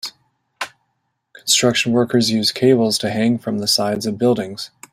Construction workers use cables to hang from the sides of buildings.